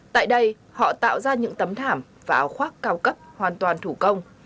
tại đây họ tạo ra những tấm thảm và áo khoác cao cấp hoàn toàn thủ công